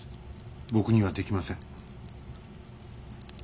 僕にはできません。